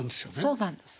そうなんです。